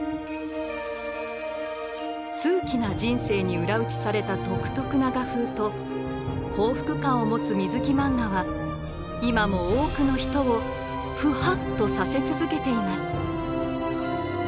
数奇な人生に裏打ちされた独特な画風と幸福感を持つ水木漫画は今も多くの人を「フハッ」とさせ続けています。